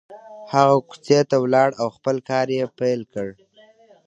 هغه کوڅې ته ولاړ او خپل کار يې پيل کړ.